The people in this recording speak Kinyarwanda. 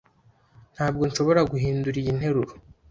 Ntabwo nshobora guhindura iyi nteruro.